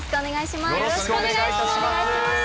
よろしくお願いします。